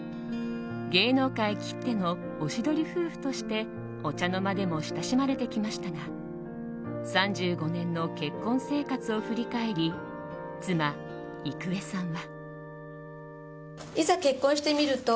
芸能界きってのおしどり夫婦としてお茶の間でも親しまれてきましたが３５年の結婚生活を振り返り妻・郁恵さんは。